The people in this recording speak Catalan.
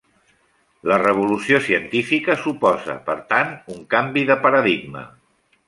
La revolució científica suposa, per tant, un canvi de paradigma.